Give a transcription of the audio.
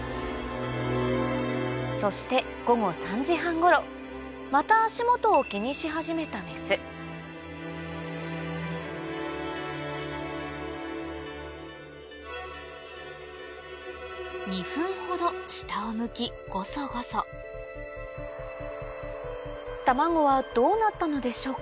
そしてまた足元を気にし始めたメス２分ほど下を向きゴソゴソ卵はどうなったのでしょうか？